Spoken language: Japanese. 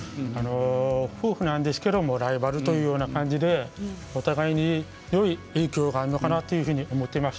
夫婦なんですけどライバルというような感じでお互いにいい影響があるのかなと思っています。